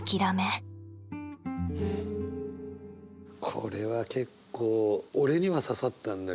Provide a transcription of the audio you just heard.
これは結構俺には刺さったんだけど。